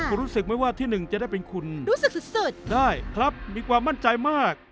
คุณรู้สึกไหมว่าที่๑จะได้เป็นคุณได้ครับมีความมั่นใจมาก